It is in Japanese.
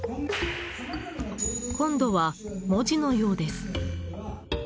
今度は文字のようです。